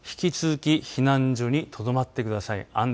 引き続き、避難所にとどまってください。